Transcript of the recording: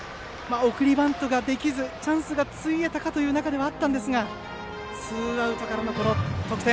送りバントができず、チャンスがついえた中だったんですがツーアウトからの得点。